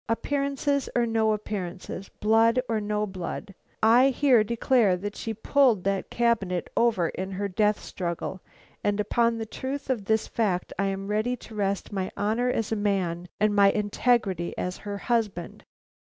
Appearances or no appearances, blood or no blood, I here declare that she pulled that cabinet over in her death struggle; and upon the truth of this fact I am ready to rest my honor as a man and my integrity as her husband_."